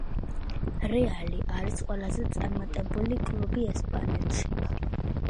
„რეალი“ არის ყველაზე წარმატებული კლუბი ესპანეთში